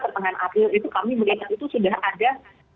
kemaren akhir itu kami melihat itu sudah ada